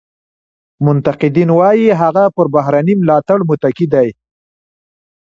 منتقدین وایي هغه پر بهرني ملاتړ متکي دی.